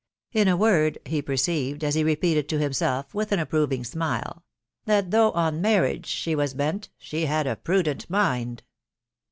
3m a Hoard, he perceived, as he repeated to himself, with an apprising smile, — That though on marriage she wai bent, She had a prudent mina.